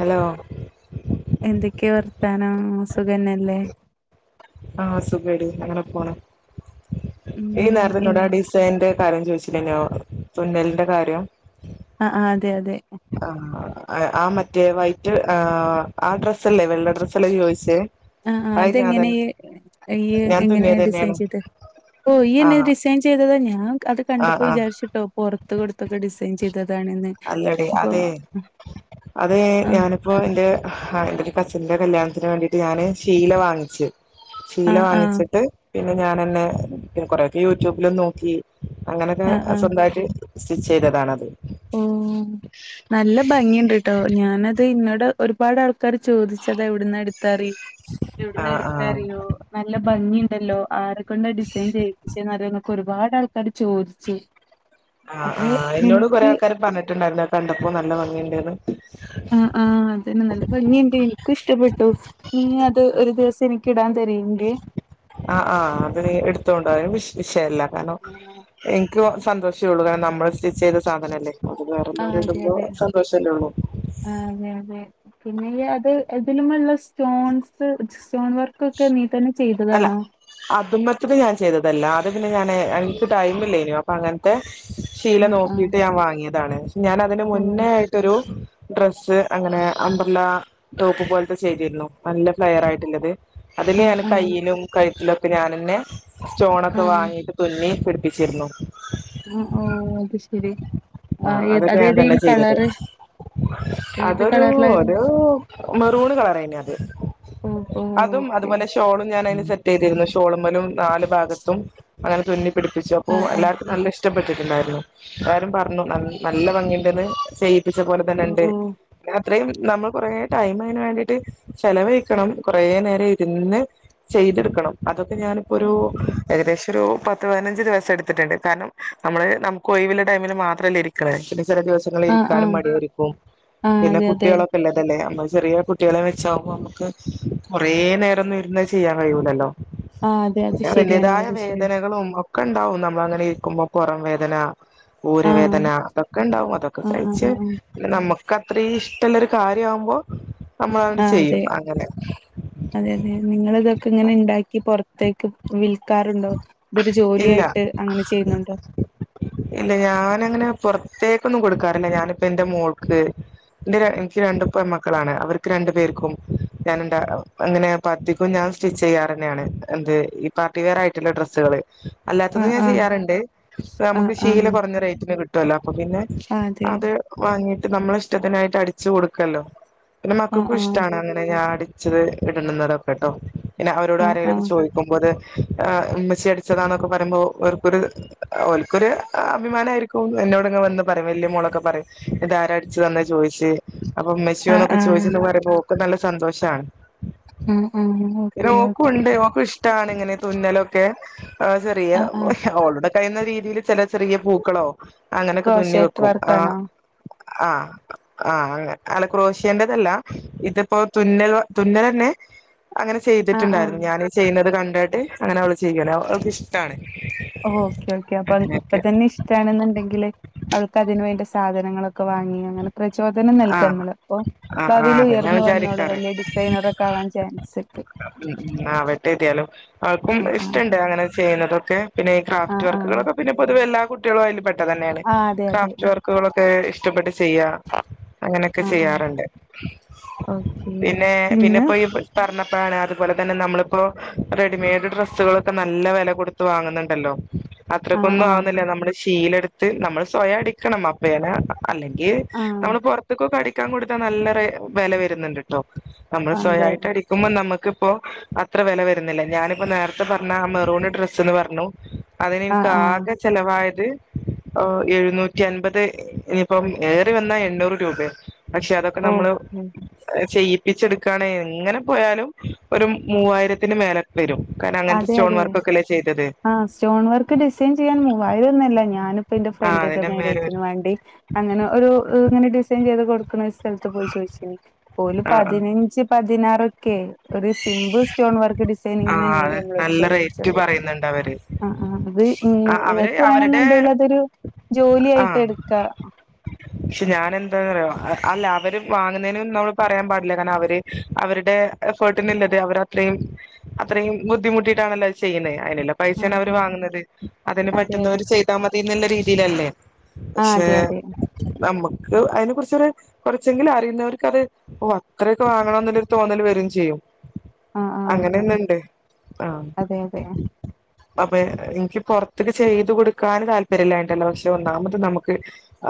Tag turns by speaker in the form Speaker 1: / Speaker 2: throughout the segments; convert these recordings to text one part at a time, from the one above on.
Speaker 1: Hello
Speaker 2: എന്തൊക്കെയാ വർത്താനം സുഖനല്ലേ
Speaker 1: ആഹ് സുഖേടി അങ്ങനെ പോണ് ഈ
Speaker 2: ഉം
Speaker 1: നേരത്തി
Speaker 2: എൻ
Speaker 1: [unintelligible] ന്റെ കാര്യം ചോദിച്ചില്ലനോ തുന്നലിന്റെ കാര്യം
Speaker 2: ആഹ് ആഹ് അതെ അതെ
Speaker 1: ആഹ് ആഹ് മറ്റേവായിറ്റ് ആഹ് ആഹ് ഡ്രസ്സല്ലേ വെള്ള ഡ്രസ്സല്ലേ ചോദിച്ചെ
Speaker 2: ആഹ് ആഹ് അതെങ്ങനെയ ഈ
Speaker 1: ഞാൻ
Speaker 2: എങ്ങനെയ
Speaker 1: തുന്നിയത്
Speaker 2: ഡിസൈൻ
Speaker 1: തന്നെയാണ്
Speaker 2: ചെയ്ത് ഓ ഈയന്നെ
Speaker 1: ആഹ്
Speaker 2: ഡിസൈൻ ചെയ്താ ഞാൻ അത്
Speaker 1: ആഹ്
Speaker 2: കണ്ടപ്പോ
Speaker 1: ആഹ്
Speaker 2: വിചാരിച്ചിട്ടോ പുറത്ത് കൊടുത്തൊക്കെ ഡിസൈൻ ചെയ്തതാണ് എന്ന്
Speaker 1: അല്ലടി അതെ അതെ
Speaker 2: ആഹ്
Speaker 1: ഞാനി പ്പൊ എന്റെ എന്റെ ഒരു കസിന്റെ കല്യാണത്തിന് വേണ്ടിയിട്ട് ഞാന് ശീല വാങ്ങിച്ചു ശീല
Speaker 2: ആഹ് ആഹ്
Speaker 1: വാങ്ങിച്ചിട്ട് പിന്നെ ഞാൻന്നെ കൊറെക്കെ യൂട്യൂബിലും നോക്കി അങ്ങനെയൊക്കെ
Speaker 2: ആഹ് ആഹ്
Speaker 1: സ്വന്തമായിട്ട് സ്റ്റിച്ച് ചെയ്തതാണത്
Speaker 2: ഓ നല്ല ഭംഗിയുണ്ട് കേട്ടോ ഞാനത് ഇന്നോട് ഒരുപാട് ആൾക്കാാര് ചോദിച്ചതാ എവിടന്ന് അടുത്താറിൽ എവിടന്നാ
Speaker 1: ആഹ് ആഹ്
Speaker 2: എടുത്താറിയോ നല്ല ഭംഗിയ ഉണ്ടല്ലോ ആരെക്കൊണ്ട് ഡിസൈൻ ചെയ്യിപ്പിച്ചേ എന്നറിയോ എന്നൊക്കെ ഒരുപാട് ആൾക്കാാര് ചോദിച്ചു
Speaker 1: ആഹ്
Speaker 2: അപ്പൊ
Speaker 1: ആഹ് എന്നോട് കൊറെേ
Speaker 2: നിനക്ക്
Speaker 1: ആൾക്കാര് പറഞ്ഞിട്ടുണ്ടായിരുന്ന കണ്ടപ്പോ നല്ല ഭംഗിയുണ്ടന്ന്
Speaker 2: ആഹ് അതന്നെ നല്ല ഭംഗിയുണ്ട് എനിക്കും ഇഷ്ടപ്പെട്ടു നീ അത് ഒരു ദിവസം എനക്ക് ഇടാൻ തരീങ്കേ
Speaker 1: ആഹ് ആഹ് അത് നീ എടുത്തോണ്ട വി വിഷയല്ല കാരണം എനിക്ക് സന്തോഷമേള്ളൂ കാരണം നമ്മള് സ്റ്റിച്ച് ചെയ്ത് സാധനല്ലേ അത് വേറെല്ലാവരും ഇടുമ്പോ സന്തോഷല്ലേ ഉള്ളൂ
Speaker 2: ആ അതെ അതെ പിന്നെ അത് ഇതിലുമുള്ള സ്റ്റോൺസ് സ്റ്റോൺ വർക്ക് ഒക്കെ നീ തന്നെ ചെയ്തതാണോ
Speaker 1: അതും മത്തിന് ഞാൻ ചെയ്തതല്ല അത് പിന്നെ ഞാൻ എനിക്ക് ടൈം ഇല്ലേനു അ അങ്ങനത്തെ ശീല
Speaker 2: ആഹ് ആഹ്
Speaker 1: നോക്കിയിട്ട് ഞാൻ വാങ്ങിയതാണ് ഞാൻ അതിന്
Speaker 2: ഓഹ്
Speaker 1: മുന്നേ ട്ട് രു ഡ്രസ്സ് അങ്ങനെ അമ്പ്രല ടോപ് പോലത്തെ ചെയ്തിരുന്നു നല്ല ഫ്ലെയർ ആയിട്ടുള്ളത് അതില്
Speaker 2: ആഹ്
Speaker 1: ഞാൻ
Speaker 2: ആഹ്
Speaker 1: കയ്യിലും കഴുത്തിലൊക്കെ ഞാൻന്നെ സ്റ്റോണൊക്കെ
Speaker 2: ആഹ്
Speaker 1: വാങ്ങിട്ട് തുന്നി പിടിപ്പിച്ചിരുന്നു
Speaker 2: ആഹ് ഓ അത് ശെരി ആ ഏ
Speaker 1: അതൊക്കെ ഞാൻ തന്നെ
Speaker 2: അതേതെനു
Speaker 1: ചെയ്തത്
Speaker 2: കളറ് ഏത്
Speaker 1: അതൊരു
Speaker 2: കളറിലായിരുന്നു
Speaker 1: ഒരു മെറൂണ് കളറയിന് അത്
Speaker 2: ഓഹ് ഓഹ്
Speaker 1: അതും
Speaker 2: ഓക്കെ
Speaker 1: അതുപോലെ ഷോളും ഞാൻ അതിന് സെറ്റ് ചെയ്തിരുന്നു
Speaker 2: ആഹ്
Speaker 1: ഷോളുംമേലും നാല് ഭാഗത്തും അങ്ങനെ തുന്നി പിടിപ്പിച്ചു അപ്പോ
Speaker 2: ആഹ്
Speaker 1: എല്ലാവർക്കും നല്ല ഇഷ്ടം ഇഷ്ടപ്പെെട്ടിട്ടുണ്ടായിരുന്നു എല്ലാരും പറഞ്ഞു നല്ല ഭംഗിയുണ്ടന്ന് ചെയ്യിപ്പിച്ച പോലെ തന്നെ
Speaker 2: ഓഹ്
Speaker 1: ഉണ്ട്
Speaker 2: ഓഹ്
Speaker 1: അത്രയും നമ്മൾ കൊറേ ടൈമ് അതിന് വേണ്ടിട്ട് ചെലവഴിക്കണം കുറ നേരം ഇരുന്ന് ചെയ്തെടുക്കണം അതൊക്കെ ഞാനിപ്പോൊ ഒരു ഏകദേശം ഒരു പത്ത് പത്ത് പതിനഞ്ച് ദിവസം എടുത്തിട്ടുണ്ട് കാരണം നമ്മള് നമുക്ക് ഒിഴിവ് ല്ല ടൈമിൽ മാത്രമല്ലേ ഇരിക്കണെ പിന്നെ ചില ദിവസം തിൽ
Speaker 2: ആഹ്
Speaker 1: ഇരിക്കാനും
Speaker 2: ആഹ്
Speaker 1: മടിയൊരിക്കും
Speaker 2: ആഹ്
Speaker 1: പിന്നെ
Speaker 2: അതെ അതെ
Speaker 1: കുട്ടികളൊ ല്ലതല്ലേ നമ്മ ചെറിയ കുട്ടികളെ വെച്ചാവുമ്പോ നമുക്ക് കുറേ നേരൊന്നും ഇരുന്നത് ചെയ്യാൻ കഴിയൂലല്ലോ
Speaker 2: ആഹ് അതെ അത്
Speaker 1: പിന്നെ
Speaker 2: ശരിയാണ്
Speaker 1: അതിന്റതായ
Speaker 2: വളരെ ശരിയാണ്
Speaker 1: വേദനകളും ഒ ഒക്കെ ഉണ്ടാവും നമ്മള അങ്ങനെ ഇരിക്കുമ്പോ പുറം വേദന ഊരവേ
Speaker 2: ആഹ്
Speaker 1: ദന അതൊക്കെ ഉണ്ടാവും അതൊക്കെ
Speaker 2: ആഹ് ആഹ്
Speaker 1: സഹിച്ച്
Speaker 2: ആഹ് ആഹ്
Speaker 1: നമ്മക്ക് അത്രയും ഇഷ്ടമുള്ളരു കാര്യമാവുമ്പോ നമ്മൾ അണ്ട്
Speaker 2: ആഹ്
Speaker 1: ചെയ്യും.
Speaker 2: അതെ
Speaker 1: അങ്ങനെ.
Speaker 2: അതെ അതെ നിങ്ങൾ ഇതൊക്കെ ഇങ്ങനെ ഉണ്ടാക്കി പുറത്തേക്ക് വിൽക്കാറുണ്ടോ? ഇതൊരു
Speaker 1: ഇല്ല
Speaker 2: ജോലിയായിട്ട് അങ്ങനെ ചെയ്യുന്നുണ്ടോ?
Speaker 1: ഇല്ല. ഞാനങ്ങനെ പുറത്തേക്കൊന്നും കൊടുക്കാറില്ല ഞാനിപ്പ എന്റെ മോൾക്ക് എന്റെ ര എനിക്ക് രണ്ടുപെൺ മക്കളാണ്. അവർക്ക് രണ്ടു പേർക്കും, ഞാന എന്ത അങ്ങനെ തത്തിക്കും ഞാൻ സ്റ്റിച്ച് ചെയ്യാറ ന്നെയാണ്, എന്ത് ഈ പാർട്ടി വെയർ ആയിട്ടുള്ള ഡ്രസ്സുകള്. അല്ലാത്തതും
Speaker 2: ആഹ്
Speaker 1: ഞാൻ
Speaker 2: ആഹ്
Speaker 1: ചെയ്യാറുണ്ട്
Speaker 2: ആഹ്
Speaker 1: നമുക്ക് ശീല
Speaker 2: ആഹ്
Speaker 1: കുറഞ്ഞ റേറ്റിന് കിട്ടുവല്ലോ അപ്പൊ പിന്നെ
Speaker 2: ആഹ് അതെ
Speaker 1: അത് വാങ്ങിട്ട് നമ്മള ഇഷ്ടത്തിനായിട്ട് അടിച്ചു കൊടുക്കല്ലോ പിന്നെ
Speaker 2: ആഹ്
Speaker 1: മക്കൾക്കും
Speaker 2: ആഹ്
Speaker 1: ഇഷ്ടമാണ് അങ്ങനെ ഞാൻ അടിച്ചത് ഇടുന്നതൊക്കെട്ടോ. പിന്നെ അവരോട്
Speaker 2: ആഹ്
Speaker 1: ആരെങ്കിലുംക്കെ
Speaker 2: ആഹ്
Speaker 1: ചോ മ്പോത് ആ ഉമ്മച്ചി അടിച്ചതാ എന്നൊക്കെ പറയുമ്പോ ഓർക്കൊരു ഓ ക്കൊരു അഭിമാനമായിയിരിക്കും എന്നോട്ങ്ങനെ വന്ന് പറയും വലിയ മോളൊക്കെ പറയും, ഇത് ആര അടിച്ചു തന്ന ചോദിച്ച്. അപ്പൊ മ്മച്ച
Speaker 2: ആഹ്
Speaker 1: എന്നൊക്കെ ചോദിച്ചന്ന്
Speaker 2: ആഹ്
Speaker 1: പറയുമ്പോ ഓൾക് നല്ല സന്തോഷണ്.
Speaker 2: ആഹ് ആഹ് ഓക്കെ ഓക്കെ
Speaker 1: ഓൾകുണ്ട്. ഓക്കു ഇഷ ഇഷ്ട്ടാണ് ഇങ്ങനെ തുന്നലൊക്കെ, ചെറിയ
Speaker 2: ആഹ് ആഹ്
Speaker 1: ഓളുടെ കഴുന്ന രീതിയിൽ. ചെില ചെറിയ പൂക്കളോ അങ്ങനെയൊക്കെ തുന്നി
Speaker 2: ക്രോഷേറ്റ്
Speaker 1: വെക്കും. ആ
Speaker 2: വർക്കാണോ?
Speaker 1: ആ. ആഹ് അങ്ങനെ അല ക്രോഷ്യേൻ്റെതല്ല ഇത്പ്പോ തുന്നൽവ തുന്നലന്നെ അങ്ങനെ
Speaker 2: ആഹ്
Speaker 1: ചെയ്ത്ട്ട്ണ്ടാര്ന്നു
Speaker 2: ആഹ്
Speaker 1: ഞാന് ചെയ്യ്ന്നത് കണ്ടേട്ട് അങ്ങനെ അവള് ചെയ്യലാ അവൾക്കിഷ്ടാണ്
Speaker 2: ഓക്കെ ഓക്കെ അപ്പം ഇപ്പ തന്നെ ഇഷ് ട്ടാണ് ന്ന്ണ്ടെങ്കില് അവൾക്ക് അതിന് വേണ്ട സാധനങ്ങളൊക്കെ വാങ്ങി അങ്ങനെ പ്രചോദനം
Speaker 1: ആ
Speaker 2: നൽഖമ്മള് പ്പൊ
Speaker 1: ആ ആ
Speaker 2: ഭാവീല്
Speaker 1: അത് ഞാൻ
Speaker 2: ഉയർന്നു വന്നോളു
Speaker 1: വിചാരിക്കാറ്
Speaker 2: വല്യയ ഡിസൈനറൊ കാണാൻ പേൻസ്ക്
Speaker 1: ആഹ് വെട്ട് കിട്ടിയാലും ആൾക്കും
Speaker 2: ആഹ് ആഹ്
Speaker 1: ഇഷ്റ്റണ്ട്
Speaker 2: അതെ
Speaker 1: അങ്ങനെ ചെയ്യുന്നതക്കെ പിന്നെ ക്രാഫ്റ്റ്
Speaker 2: ആഹ് ആഹ്
Speaker 1: വർക്കുകളൊക്കെ പിന്ന പൊതുവെ എല്ലാ കുട്ട്യേളുയ്ല് പഠി അതന്നെണ്
Speaker 2: ആഹ് അതെ അതെ
Speaker 1: ക്രാഫ്റ്റ് വർക്കുകളൊക്കെ ഇഷ്ടപ്പെട്ട് ചെയ്യാ അങ്ങനെക്കെ
Speaker 2: ആഹ് ആഹ്
Speaker 1: ചെയ്യാറ്ണ്ട്
Speaker 2: ഓക്കേ
Speaker 1: പിന്നെ പിന്നെ പ്പ ഈ പർഞ്ഞപ്പഴാണ് അത്പോലെതന്നെ നമ്മള്പ്പോ റെഡിമെയ്ഡ് ഡ്രസ്സുകളൊക്കെ നല്ല വെല കൊട് ത്ത് വാങ്ങുന്നുണ്ടല്ലോ
Speaker 2: ആഹ്
Speaker 1: അത്രയ്ക്കൊന്നു
Speaker 2: ആഹ്
Speaker 1: ആവ്ന്നില്ല നമ്മള് ഷീലട്ത്ത് നമ്മള്സ്വയഅടിക്കണം അപ്പേന അല്ലെങ്കി
Speaker 2: ആഹ്
Speaker 1: അമ്മള് പൊർത്ത്ക്കൊക്കെ അടി ക്കാകൊടുത്താ നല്ല റെ വെല വരുന്ന്ണ്ട്ട്ടോ അമ്മള്
Speaker 2: അതെ
Speaker 1: സ്വയായിട്ട് അടി ക്കുംമ്പ നമ്മക്ക്പ്പോ അത്ര വെല വര്ന്നില്ല ഞാന്പ്പോ നേരത്തെ പറഞ്ഞ ആഹ് മെറൂണ് ഡ്രസ്സ്ന്ന് പർണു
Speaker 2: ആഹ്
Speaker 1: അതിനിൻക്ക്
Speaker 2: ആഹ്
Speaker 1: ആകെ ചെലവായത് ഓ എഴുന്നൂറ്റി എൻപത് ഇനിപ്പം ഏറി വന്നാ എണ്ണൂറ് രൂപയ പക്ഷെ അതൊ ക്കെനമ്മള്
Speaker 2: ഓക്കെ
Speaker 1: ചെയ്യിപ്പിച്ചെട്ക്കാണെ എങ്ങനെ പോയാലും ഒരു മുവ്വായിരത്തിന് മേല വരും കാര്നം അങ്ങൻത്തെ
Speaker 2: അതെ
Speaker 1: സ്റ്റോൺ
Speaker 2: അതെ
Speaker 1: വർക്കൊക്കല്ലേ ചെയ്തത്
Speaker 2: ആഹ് സ്റ്റോൺ വർക്ക് ഡിസൈൻ ചിയ്യാൻ മൂവ്വായിരന്നൊല്ല ഞാന്പ്പന്റെ
Speaker 1: ആ
Speaker 2: ഫ്രണ്ടിന്റെ
Speaker 1: അതിന്റെ മേലെ
Speaker 2: മാരേജ്ന്
Speaker 1: വരും
Speaker 2: വാണ്ടി അങ്ങനെ ഒരു ഇങ്ങനെ ഡിസൈൻ ചെയ്ത് കൊട്ക്ക്ണെ സ്ഥലത്ത് പോയി സോയ്സിനി ഓല്
Speaker 1: ആ ആ
Speaker 2: പതിനഞ്ച് പതിനാറൊക്കെ ഒര് സിമ്പ്ൾ സ്റ്റോൺ വർക്ക് ഡിസെ
Speaker 1: ആഹ് അതെ
Speaker 2: എട് ചോദിപ്പിച്ചത് ആഹ് ആഹ് അത് നിങ്
Speaker 1: ആ അവര്
Speaker 2: ങ്ങക്ക്
Speaker 1: അവരുടെ
Speaker 2: വേണംന്ന്ണ്ടേലതൊരു ജോലിയായിട്ടെട്ക്കാ
Speaker 1: ക്ഷെ ഞാനന്താറ്യോ അഅല്ല അവര് വാങ്ങുന്നയ്നുന്നോ പറയം പാടില്ല കാര്ണം അവര് അവര്ടെ എഫേട്ടിന്ള്ളത് അവര് അത്രീം അത്രീം ബുദ്ധിമുട്ടിട്ടാണല്ലോ ചെയ്യ്ണെ ഹ് അഎല്ലം പൈസേണ് അവര്
Speaker 2: അതെ
Speaker 1: വാങ്ങ്ന്നത് അത് ന്
Speaker 2: അതെ അതെ
Speaker 1: പറ്റുന്നോര് ചെയ്താമതിന്ന്ല്ല രീതിയിലല്ലേ
Speaker 2: ആഹ്
Speaker 1: പക്ഷേ
Speaker 2: അതെ അതെ
Speaker 1: നമക്ക് അയ്നെ കുർച്ചൊര് കൊറച്ചെങ്കിലു അറിയുന്നവർക്ക് അത് ഒ അത്രേക്കെ വാങ്ങണംന്ന്ല്ലര് തോന്നല് വരും ചിയ്യും
Speaker 2: ആ ആ അതെ
Speaker 1: അങ്ങനെന്നണ്ട് ആഹ്
Speaker 2: അതെ അതെ
Speaker 1: അപ്പെ ഇൻക്യ പുൊർത്ത്ക്ക് ചെയ്ത് കൊടുക്കാന് താല്പര്യല്ലായിട്ടല്ല പക്ഷെ ഒന്നാമത് നമക്ക്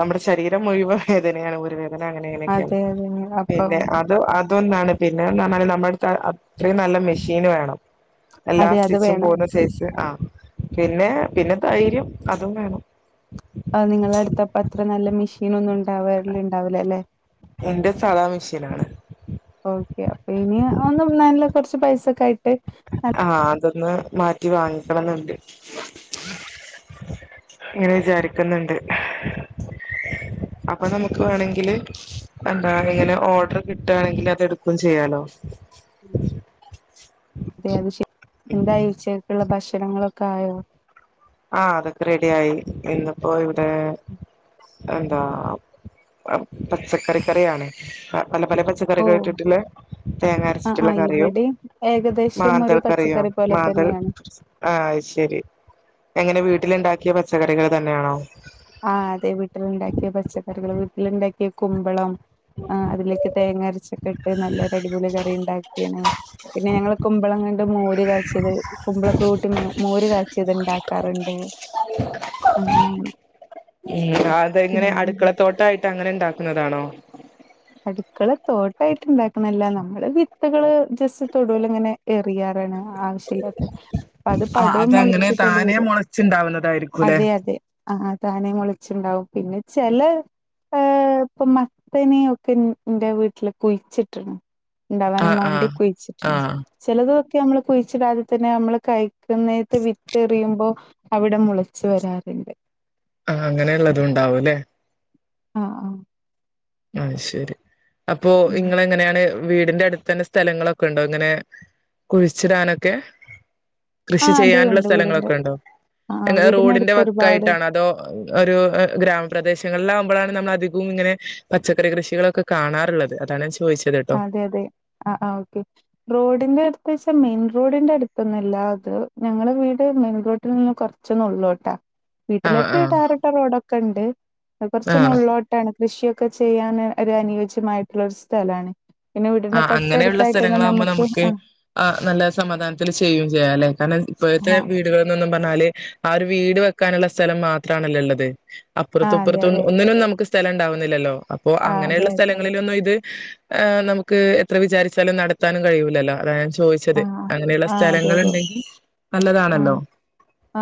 Speaker 1: അമ്ടെ ശരീരം മുയ് വ വേദനയാണ് ഊര വേദന അങ്ങനെ ങ്ങനെയൊക്കെണ്
Speaker 2: അതെ അതെ അപ്പം
Speaker 1: പിന്നെ അഹ് അത് അതൊന്നാണ് പിന്നെ ന്നർഞ്ഞാല് നമ്മട്ത്ത് അ അത്രീം നല്ല മെഷീന് വേണം എല്ലാ
Speaker 2: അതെ അത്
Speaker 1: സ്റ്റിച്ചും
Speaker 2: വേണം.
Speaker 1: പോണ തേച്ച് ആഹ് പിന്നെ പിന്നെ കൈര്യം അതും വേണം
Speaker 2: ആഹ് നിങ്ങളട്ത്തപ്പത്ര നല്ല മെഷീൻ ഒന്നുണ്ടാവല് ണ്ടാവൂലല്ലെ
Speaker 1: ഇന്റെ സാദാ മെഷീനാണ്
Speaker 2: ഓക്കെ അപ്പൊ ഇനിയാഒന്നും നല്ല കൊർച്ച് പൈസക്കായ്ട്ട്
Speaker 1: ആഹ് അതൊന്ന് മാറ്റി വാങ്ങിക്കണം ന്ന്ണ്ട് ങ്ങനെ വിജാരിക്ക്ന്ന്ണ്ട് അപ്പൊ നമ്മക്ക് വേണെങ്കില് എന്താ ഇങ്ങനെ ഓഡ്രർ കിട്ടാണെങ്കില് അത് എടുക്കും ചെയ്യാലോ
Speaker 2: അതെ അത് ശരി എന്തായി ഉച്ചക്ക്ള്ള ഭക്ഷണങ്ങളൊക്കെ ആയോ
Speaker 1: ആഹ് അതൊക്കെ റെഡിയായി ഇന്ന്പ്പോ ഇവിടെ എന്താ പച്ചക്കറിക്കറിയാണ് പല പല പച്ച
Speaker 2: ഓ
Speaker 1: കറികേട്ട്ട്ടില്ലേ തേങ്ങ
Speaker 2: ആ ആ
Speaker 1: അരഷ്റ്റുള്ള കറിയും
Speaker 2: ഇവിടെയും ഏകദേശം ഒരു
Speaker 1: മാന്തൾക്കറിയോ
Speaker 2: പച്ചക്കറി പോലെ
Speaker 1: മാന്തൾ
Speaker 2: തന്നെയാണ്.
Speaker 1: ആഹ് അയ്ശരി എങ്ങനെ വീട്ടില്ണ്ടാക്കിയ പച്ചക്കറികൾ തന്നെയാണോ
Speaker 2: ആഹ് അതെ വീട്ടില്ണ്ടാക്കിയ പച്ചക്കറികൾ വീട്ടില്ണ്ടാക്കിയ കുമ്പളം ആഹ അതിലേക്ക് തേങ്ങ അരച്ചൊക്കെ ഇട്ട് നല്ലൊരു അടിപൊളി കറി ഇണ്ടാക്കീണ് പിന്നെ ഞങ്ങള് കുമ്പളം കൊണ്ട് മോര് കാച്യത് കുമ്പളൊക്കെ കൂട്ടി മോര് കാച്ചിയത് ഇണ്ടാക്കാറ്ണ്ട്
Speaker 1: [unintelligible]
Speaker 2: അങ്ങനെ അങ്ങനെ
Speaker 1: ഉം അതെങ്ങനെ
Speaker 2: ഉം
Speaker 1: അടുക്കളത്തോട്ടായിട്ടങ്ങനെ ഇണ്ടാക്കുന്നതാണോ?
Speaker 2: അടുക്കള തോട്ടായിട്ട്ണ്ടാക്ക്ണല്ല നമ്മള് വിത്തുകള് ജസ്റ്റ് തൊടൂലിങ്ങനെ എറിയാറാണ് ആ [unintelligible] അത്
Speaker 1: ആഹ്
Speaker 2: പടോം
Speaker 1: അതങ്ങനെ
Speaker 2: മൊളച്ചിട്ടട്
Speaker 1: താനെ
Speaker 2: വരും
Speaker 1: മുളച്ചുണ്ടാവുന്നതായിരിക്കുംല്ലേ
Speaker 2: അതെ അതെ ആഹ് താനേ മുളച്ചിണ്ടാവും പിന്നെ ചെല ഏഹ ഇപ്പൊ മത്തന് ക്കെ ഇന്റെ വീട്ടില് കുഴിച്ചിട്ട്ണ് ഇണ്ടാവാനും
Speaker 1: ആഹ്
Speaker 2: മാണ്ടി
Speaker 1: ആഹ്
Speaker 2: കുഴിച്ചിട്ട്ണ്
Speaker 1: ആഹ്
Speaker 2: ചെലതൊക്കെ നമ്മള് കുഴിച്ചിടാതെ തന്നെ നമ്മള് കഴിക്കുന്നെത്തെ വിത്തെറിയുമ്പോ അവിടെ മുളച്ച് വരാറ്ണ്ട്
Speaker 1: ആഹ് അങ്ങനെയിള്ളതും ണ്ടാവും ല്ലേ
Speaker 2: ആഹ് ആഹ്
Speaker 1: അയ്ശരി അപ്പൊ
Speaker 2: ഉം
Speaker 1: ഇങ്ങളങ്ങനെയാണ് വീടിന്റെ അടുത്തന്നെ സ്ഥലങ്ങളൊക്കെ ഇണ്ടോ ഇങ്ങനെ കുഴിച്ചിടാനൊക്കെ?
Speaker 2: ആ
Speaker 1: കൃഷി
Speaker 2: അതെ
Speaker 1: ചെയ്യാന്ള്ള
Speaker 2: ഉണ്ട് വീടിന്റെ
Speaker 1: സ്ഥലങ്ങളൊക്കെ ഇണ്ടോ
Speaker 2: ആ
Speaker 1: റോഡിന്റെ
Speaker 2: വീടിനടുത്ത് ഒരുപാട്
Speaker 1: വക്കായിട്ടാണോ അതോ ഒരു ഗ്രാമപ്രദേശങ്ങളിലാവുമ്പളാണ് നമ്മളധികവും ഇങ്ങനെ പച്ചക്കറി കൃഷികളൊക്കെ കാണാറ്ള്ളത് അതാണ് ഞാൻ ചോദിച്ചത് ട്ടോ
Speaker 2: അതെ അതെ ആഹ് ആഹ് ഓക്കെ റോഡിന്റെ അടുത്തേയ്ച്ചാൽ മെയിൻ റോഡിന്റെ അടുത്തൊന്നും അല്ല അത് ഞങ്ങളെ വീട് മെയിൻ റോട്ടിൽ നിന്നും കുറ റച്ചൊന്നുള്ളോട്ട
Speaker 1: ആഹ്
Speaker 2: വീട്ടിലൊക്കെ ഈ
Speaker 1: ആഹ്
Speaker 2: ടാറിട്ട റോഡൊക്കെ ഇണ്ട്
Speaker 1: ആഹ്
Speaker 2: കൊറച്ചൊന്നുള്ളോട്ട ട്ടാണ് കൃഷിയൊക്കെ ചെയ്യാന് ഒരു അനുയോജ്യമായിട്ടുള്ളൊരു സ്ഥലാണ്. പിന്നെ വീടിന്റെ
Speaker 1: ആഹ് അങ്ങനെയുള്ള
Speaker 2: തൊട്ടടുത്തായിട്ടന്നെ
Speaker 1: സ്ഥലങ്ങളാകുമ്പോ
Speaker 2: നമുക്ക്
Speaker 1: നമ്മക്ക്
Speaker 2: ആഹ്
Speaker 1: ആഹ് നല്ല സമാധാനത്തിൽ ചെയ്യും ചെയ്യാല്ലേ കാരണം ഇപ്പോഴത്തെ
Speaker 2: ആഹ്
Speaker 1: വീടുകൾ ന്നും പറഞ്ഞാല് ആ ഒരു വീട് വെക്കാനുള്ള സ്ഥലം മാത്രാണലോ ഇള്ളത് അപർത്തും
Speaker 2: ആഹ് അതെ
Speaker 1: ഇപ്പർത്തൊന
Speaker 2: അതെ.
Speaker 1: ഒന്നിനും നമുക്ക് സ്ഥലം ഉണ്ടാവുന്നില്ലല്ലോ അപ്പൊ
Speaker 2: ആഹ് അതെ
Speaker 1: അങ്ങനെയുള്ള
Speaker 2: അതെ.
Speaker 1: സ്ഥലങ്ങളിലൊന്നും ഇത് ആഹ് നമുക്ക് എത്ര വിചാരിച്ചാലും നടത്താനും കഴിയൂല്ലല്ലോ അത ഞൻ ചോദിച്ചേ ച്ചത്
Speaker 2: ആഹ്
Speaker 1: അങ്ങനെയുള്ള
Speaker 2: ആഹ് അതെ അതെ.
Speaker 1: സ്ഥലങ്ങള്ണ്ടെങ്കിൽ നല്ലതാണല്ലോ
Speaker 2: ആഹ്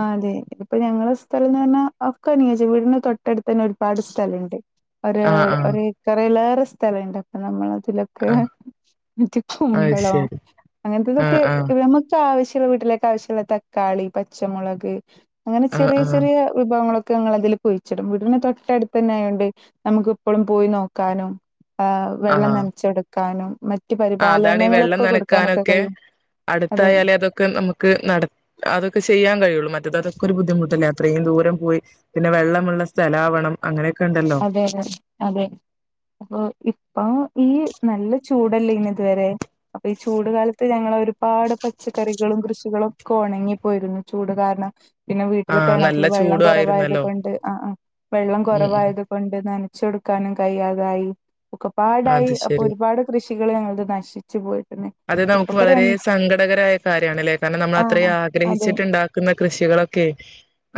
Speaker 2: ആ അതെ ഇതിപ്പൊ ഞങ്ങളെ സ്ഥലം എന്ന് പറഞ്ഞാ [unintelligible] വീടിന് തൊട്ടടുത്ത് തന്നെ ഒരുപാട് സ്ഥലണ്ട് ഒര്
Speaker 1: ആ ആ
Speaker 2: ഒരെക്കറിലേറെ സ്ഥലണ്ട് അപ്പൊ നമ്മൾ അതിലൊക്കെ
Speaker 1: ആ
Speaker 2: ക്കെ [unintelligible]
Speaker 1: അത്
Speaker 2: കുമ്പളം
Speaker 1: ശരി ആ
Speaker 2: അങ്ങനത്തെതൊക്കെ
Speaker 1: ആ
Speaker 2: നമ്മക്ക് ആവശ്യള്ള വീട്ടിലേക്ക് ആവശ്യള്ള തക്കാളി പച്ചമുളക് അങ്ങനെ
Speaker 1: ആ
Speaker 2: ചെറിയ
Speaker 1: ആ
Speaker 2: ചെറിയ വിഭവങ്ങളൊക്കെ ഞങ്ങൾ അതില് കുഴിച്ചിടും വീടിന് തൊട്ടടുത്തന്നെ ആയൊണ്ട് നമ്മക്ക് ഇപ്പോളും പോയി നോക്കാനും ആ
Speaker 1: ആ
Speaker 2: വെള്ളം നനച്ചൊടുക്കാനും മറ്റ് മറ്റ് പരിപാലനങ്ങളൊക്കെകൊട്
Speaker 1: കാനൊക്കെ അട്ത്തായാല് അതൊക്കെനമുക്ക്നട അതൊക്കെ ചെയ്യാൻ കഴിയുള്ളമറ്റത് അതൊക്കെഒരുബുദ്ധിമുട്ടല്ലേ അത്രയുംദൂരംപോയി പിന്നെ വെള്ളമുള്ള സ്തലാവണം അങ്ങനെ
Speaker 2: അതെ അതെ പ്പൊഇപ്പൊ ഈ നല്ല ചൂടല്ലേയ്നി ഇത് വരെ അപ്പൊ ഈ ചൂട് കാലത്ത് ഞങ്ങളെ ഒരുപാട് പച്ചക്കറികളും കൃഷികളും ഒക്കെ ഉണങ്ങിപ്പോയിരുന്നു ചൂട് കാരണം പിന്നെ വീട്ടിലെ
Speaker 1: ആഹ്
Speaker 2: കിണറ്റിൽ
Speaker 1: നല്ല
Speaker 2: വെള്ളം
Speaker 1: ചൂടു
Speaker 2: കൊറവായത്
Speaker 1: ആയിരുന്നല്ലോ
Speaker 2: കൊണ്ട് ആഹ അഹ വെള്ളം കൊറ
Speaker 1: ഉം ഉം
Speaker 2: കൊണ്ട് നനചൊട്ക്കാനും കയ്യാതായി ഒക്കെപാടായി
Speaker 1: അത്
Speaker 2: അപ്പൊ
Speaker 1: ശരി
Speaker 2: ഒരുപാട് കൃഷികള് ഞങ്ങളത് നശിച്ച് പോയി
Speaker 1: അത് നമുക്ക് വളരേ സങ്കടകരായ കാര്യണല്ലേ കാരണം നമ്മൾ
Speaker 2: ആ
Speaker 1: അത്രയും
Speaker 2: അതെ
Speaker 1: ആഗ്രഹിച്ചിട്ട്ണ്ടാ ക്ക്ന്ന കൃഷികളൊക്കെ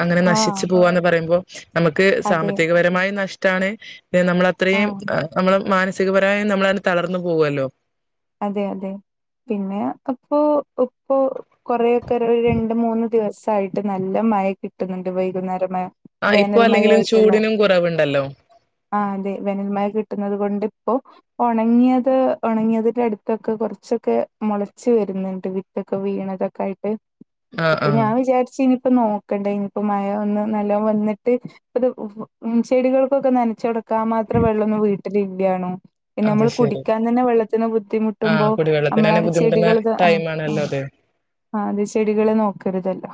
Speaker 1: അങ്ങനെ
Speaker 2: ആ
Speaker 1: നശിച്ചു പോവാന്ന് പറയുമ്പോ നമക്ക്
Speaker 2: അതെ
Speaker 1: സാമ്പത്തികപരമായി നഷ്ടമാണ് ഇത് നമ്മള അത്രം
Speaker 2: ആ
Speaker 1: നമ്മള് മാനസികപരായി നമ്മളന്നെ തളർന്നു പോവുല്ലോ
Speaker 2: അതെ അതെ പിന്നെ അപ്പൊ ഒപ്പൊ കൊറെഒക്കെ ഒര് രണ്ട് മൂന്ന് ദിവസായിട്ട് നല്ല മഴ കിട്ടുന്ന്ണ്ട് വൈകുന്നേര മയ
Speaker 1: ആ ഇപ്പൊ അല്ലെങ്കില്ചൂടിനും കുറവ് ഉണ്ടല്ലോ
Speaker 2: ആ അതെ വെനൽ മയകിട്ടുന്നത് കൊണ്ട് ഇപ്പോ ഒണങ്ങിയത് ഒണങ്ങിയത് ഇ അടുത്തൊക്കെ കുറച്ചൊക്കെ മൊളച്ച് വെര്ന്ണ്ട് വിതൊക്കെ വീണതൊക്കെ ആയിട്ട്
Speaker 1: ആഹ്
Speaker 2: ഇപ്പം
Speaker 1: ആഹ്
Speaker 2: ഞാൻ വിചാരിച്ച് ഇനിപ്പ നോക്കണ്ട ഇനിപ്പോമയഒന്ന് നല്ല വന്ന്ട്ട് പ്പത്മം ചെടികൾക്കൊക്കെ നനച്ചൊടക്കാൻ മാത്രം വെള്ളൊന്നും വീട്ടില ഇല്ല്യേണു പിന്നെ
Speaker 1: അത്
Speaker 2: നമ്മള്
Speaker 1: ശരി
Speaker 2: കുടിക്കാൻ തന്നെ വെള്ളത്തിന് ബുദ്ധിമുട്ടുമ്പോ
Speaker 1: ആഹ് കുടിവെള്ളത്തിന് തന്നെ
Speaker 2: ഞമ്മള്
Speaker 1: ബുദ്ധിമുട്ടുന്ന
Speaker 2: ചെടികൾത് ആഹ്
Speaker 1: ടൈം ആണല്ലോ
Speaker 2: ആഹ്
Speaker 1: അത്
Speaker 2: ആഹ് അത് ചെടികളെ നോക്കരുതല്ലോ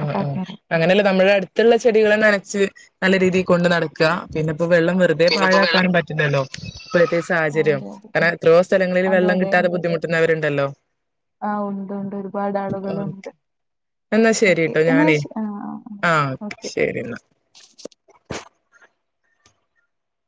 Speaker 1: ആഹ്
Speaker 2: അപ്പൊ
Speaker 1: ആഹ്
Speaker 2: അങ്ങനെ
Speaker 1: അങ്ങനെല്ല നമ്മളെ അട്ത് ഉള്ള ചെടികളെ നനച്ച് നല്ല രീതിയിൽ കൊണ്ട് നടക്ക് പിന്നെ ഇപ്പോ വെള്ളം വ വെറുതെ
Speaker 2: പിന്നെപ്പോ വെള്ളം
Speaker 1: പാഴാക്കാനും പറ്റില്ലല്ലോ ഇപ്പഴത്തെ സാഹചര്യം
Speaker 2: അതെ അതെ
Speaker 1: കരണം എത്രയോ സ്ഥലങ്ങളിൽ
Speaker 2: അതെ
Speaker 1: വെള്ളം കിട്ടാതെ ബുദ്ധിമുട്ട് ട്ട്ന്നവരുണ്ടല്ലോ
Speaker 2: ആഹ് ഉണ്ട് ഉണ്ട് ഒരുപാട്
Speaker 1: ഓക്കെ
Speaker 2: ആളുകളുണ്ട്
Speaker 1: എന്നാ
Speaker 2: ക്കെ
Speaker 1: ശരിട്ടോ
Speaker 2: എന്ന്
Speaker 1: ഞാനേ
Speaker 2: വെച്ച് ആഹ് ആഹ് ഓക്കെ
Speaker 1: [unintelligible]